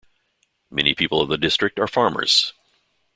Many people of the district are farmers.